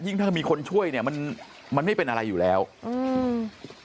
ถ้ามีคนช่วยเนี้ยมันมันไม่เป็นอะไรอยู่แล้วอืม